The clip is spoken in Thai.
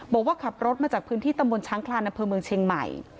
บอกว่าขับรถมาจากพื้นที่ตำบลช้างคลานอำเภอเมืองเชียงใหม่